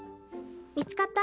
見つかった？